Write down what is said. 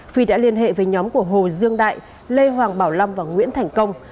phi đã liên hệ với nhóm của hồ dương đại lê hoàng bảo lâm và nguyễn thành công